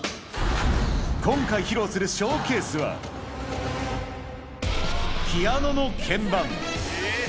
今回、披露するショーケースは、ピアノの鍵盤。